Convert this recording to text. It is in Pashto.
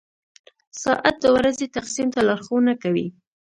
• ساعت د ورځې تقسیم ته لارښوونه کوي.